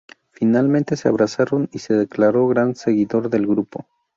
Finalmente se abrazaron y se declaró gran seguidor del grupo.